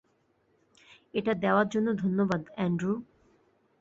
এটা দেয়ার জন্য ধন্যবাদ, অ্যান্ড্রু।